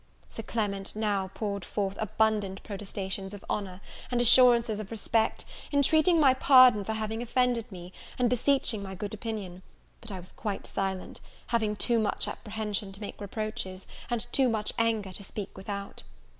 Sir Clement now poured forth abundant protestations of honour, and assurances of respect, intreating my pardon for having offended me, and beseeching my good opinion: but I was quite silent, having too much apprehension to make reproaches, and too much anger to speak without.